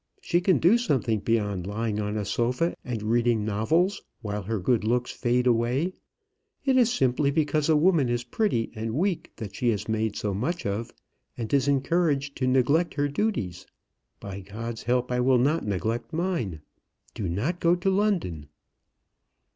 She can do something beyond lying on a sofa and reading novels, while her good looks fade away. It is simply because a woman is pretty and weak that she is made so much of, and is encouraged to neglect her duties. By God's help I will not neglect mine. Do not go to London."